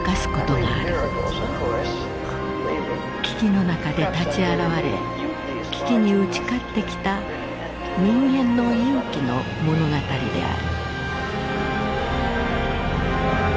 危機の中で立ち現れ危機に打ち勝ってきた人間の勇気の物語である。